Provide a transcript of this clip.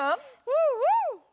うんうん！